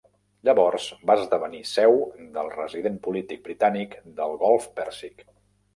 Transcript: Llavors va esdevenir seu del resident polític britànic del Golf Pèrsic.